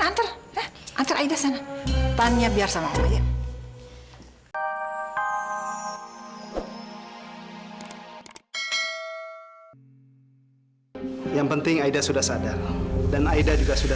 antar eh antar aida sana tanya biar sama mamanya yang penting aida sudah sadar dan aida juga sudah